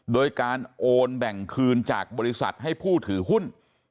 โดยการโอนแบ่งคืนจากบริษัทให้ผู้ถือหุ้น